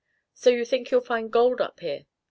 "So you think you'll find gold up here?"